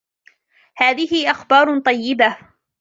هذه أخبار طيبة.